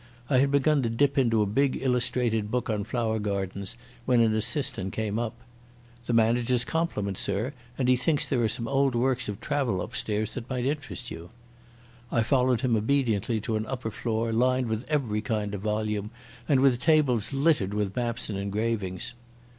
I had begun to dip into a big illustrated book on flower gardens when an assistant came up. "The manager's compliments, sir, and he thinks there are some old works of travel upstairs that might interest you." I followed him obediently to an upper floor lined with every kind of volume and with tables littered with maps and engravings.